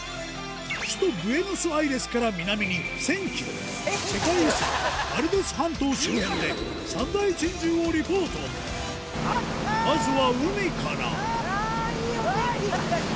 首都ブエノスアイレスから南に１０００ｋｍ世界遺産バルデス半島周辺で三大珍獣をリポート揺れるなぁ！